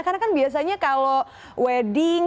karena kan biasanya kalau wedding